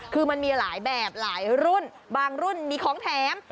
คือมันมีหลายแบบหลายรุ่นบางรุ่นมีของแถม